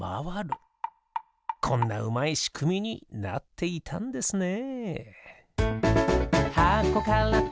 こんなうまいしくみになっていたんですね。